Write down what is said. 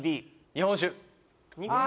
日本酒あ